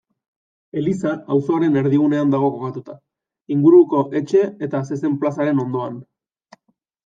Eliza auzoaren erdigunean dago kokatuta, inguruko etxe eta zezen-plazaren ondoan.